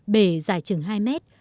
bể dài chừng hai mét